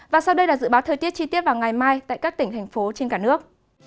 và sau đây là dự báo thời tiết chi tiết vào ngày mai tại các tỉnh thành phố trên cả nước